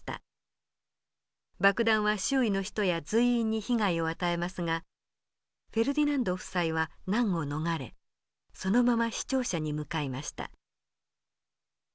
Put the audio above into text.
爆弾は周囲の人や随員に被害を与えますがフェルディナンド夫妻は難を逃れそのまま市庁舎に向かいました。